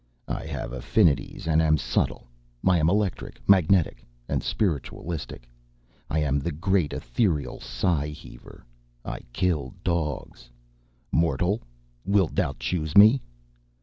I have affinities and am subtle. I am electric, magnetic, and spiritualistic. I am the great ethereal sigh heaver. I kill dogs. Mortal, wilt thou choose me?"